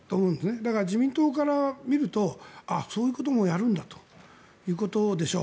だから、自民党から見るとそういうこともやるんだということでしょう。